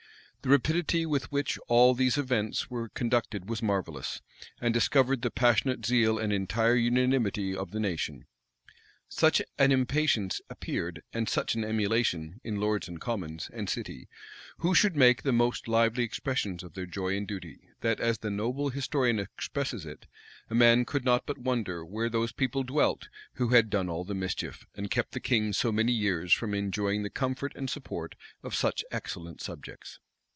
The rapidity with which all these events were conducted was marvellous, and discovered the passionate zeal and entire unanimity of the nation. Such an impatience appeared, and such an emulation, in lords, and commons, and city, who should make the most lively expressions of their joy and duty, that, as the noble historian expresses it, a man could not but wonder where those people dwelt who had done all the mischief, and kept the king so many years from enjoying the comfort and support of such excellent subjects.